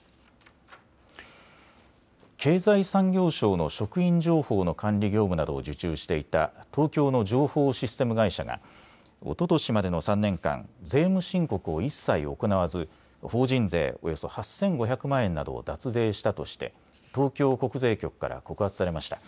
経済産業省の職員情報の管理業務などを受注していた東京の情報システム会社がおととしまでの３年間、税務申告を一切行わず法人税およそ８５００万円などを脱税したとして東京国税局から告発されました。